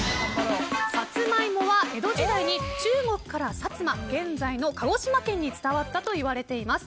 サツマイモは江戸時代に中国から、薩摩現在の鹿児島県に伝わったといわれています。